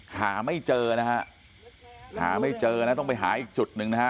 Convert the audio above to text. หาไม่เจอนะฮะหาไม่เจอนะต้องไปหาอีกจุดหนึ่งนะฮะ